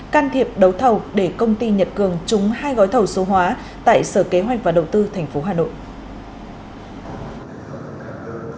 can thiệp đấu thầu để công ty nhật cường trúng hai gói thầu số hóa tại sở kế hoạch và đầu tư tp hà nội